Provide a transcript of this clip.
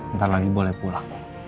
ntar lagi boleh pulang